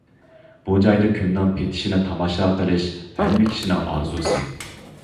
بۇ جايدا كۈننىڭ پېتىشىنى تاماشا قىلىش ھەممە كىشىنىڭ ئارزۇسى.